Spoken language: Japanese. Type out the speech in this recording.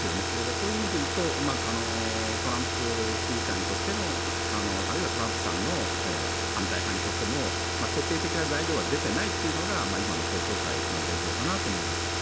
そういう意味で言うとトランプ支持者にとってもあるいはトランプさんの反対派にとっても決定的な材料は出ていないというのが今の公聴会の現状かなと思います。